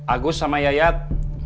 agus sama yayat